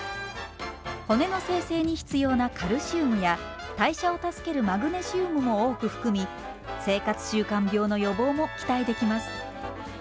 骨の生成に必要なカルシウムや代謝を助けるマグネシウムも多く含み生活習慣病の予防も期待できます。